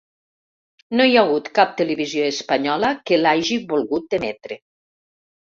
No hi ha hagut cap televisió espanyola que l’hagi volgut emetre.